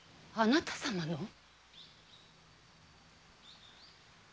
あなた様の？